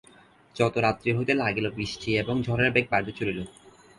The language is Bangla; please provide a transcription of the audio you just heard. যত রাত্রি হইতে লাগিল বৃষ্টি এবং ঝড়ের বেগ বাড়িতে চলিল।